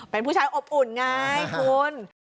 เป็นผู้ชายอบอุ่นไงคุณ